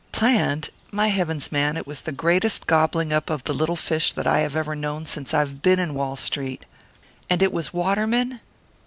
"Planned! My Heavens, man, it was the greatest gobbling up of the little fish that I have ever known since I've been in Wall Street!" "And it was Waterman?"